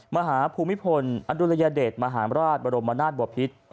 มหาภูมิพลอดุลยเดชมหามราชบรมนาศบพิษ